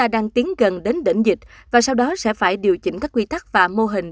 đại dịch sẽ đến đỉnh dịch và sau đó sẽ phải điều chỉnh các quy tắc và mô hình